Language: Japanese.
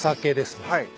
はい。